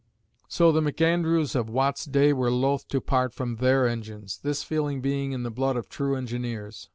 So the McAndrews of Watt's day were loth to part from their engines, this feeling being in the blood of true engineers.